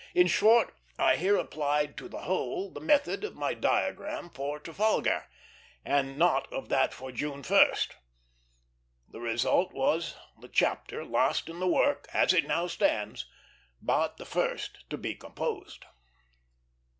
In short, I here applied to the whole the method of my diagram for Trafalgar, and not of that for June 1st. The result was the chapter last in the work, as it now stands, but the first to be composed.